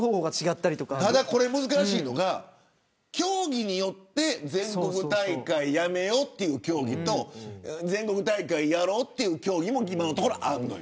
ただ難しいのが競技によって全国大会をやめようという競技と全国大会をやろうという競技も今のところあるのよ。